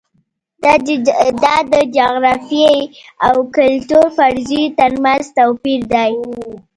دا د جغرافیې او کلتور فرضیو ترمنځ توپیر دی.